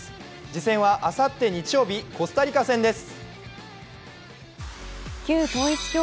次戦はあさって日曜日、コスタリカ戦です。